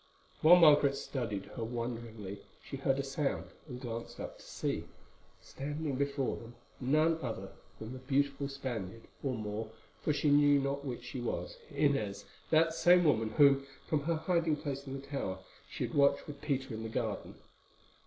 While Margaret studied her wonderingly she heard a sound, and glanced up to see, standing before them, none other than the beautiful Spaniard, or Moor, for she knew not which she was, Inez, that same woman whom, from her hiding place in the tower, she had watched with Peter in the garden.